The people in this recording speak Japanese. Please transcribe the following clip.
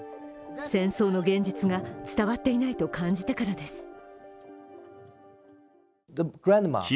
戦争の現実が伝わっていないと感じたからです。